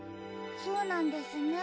そうなんですね。